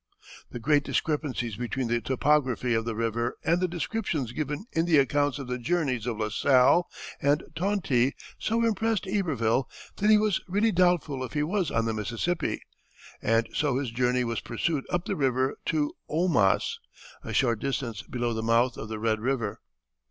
The great discrepancies between the topography of the river and the descriptions given in the accounts of the journeys of La Salle and Tonti so impressed Iberville that he was really doubtful if he was on the Mississippi, and so his journey was pursued up the river to the Oumas, a short distance below the mouth of the Red River.